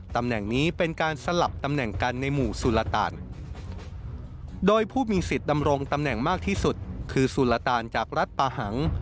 ตำแหน่งนี้เป็นการสลับตำแหน่งกันในหมู่สุรตานโดยผู้มีสิทธิ์ดำรงตำแหน่งมากที่สุดคือสุรตานจากรัฐปาหัง